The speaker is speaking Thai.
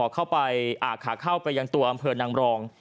ขาเข้าไปยังตัวอำเภอนางมรอง